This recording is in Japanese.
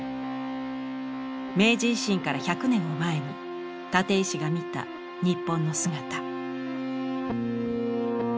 明治維新から１００年を前に立石が見た日本の姿。